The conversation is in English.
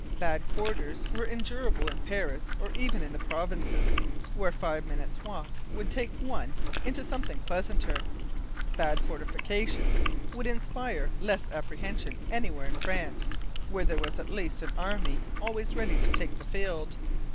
Bad quarters were endurable in Paris or even in the provinces, where five minutes' walk would take one into something pleasanter. Bad fortifications would inspire less apprehension anywhere in France, where there was at least an army always ready to take the field.